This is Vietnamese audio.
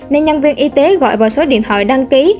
nên nhân viên y tế gọi vào số điện thoại đăng ký